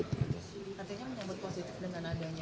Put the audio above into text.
tentunya menyambut positif dengan adanya